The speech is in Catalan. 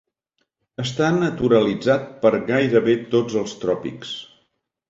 Està naturalitzat per gairebé tots els tròpics.